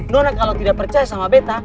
nona kalau tidak percaya sama betta